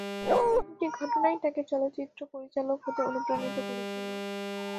এই দু’টি ঘটনাই তাঁকে চলচ্চিত্র পরিচালক হতে অনুপ্রাণিত করেছিল।